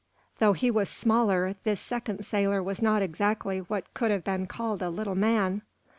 Though he was smaller, this second sailor was not exactly what could have been called a little man.